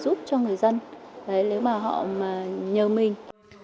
nếu mà họ nhờ mình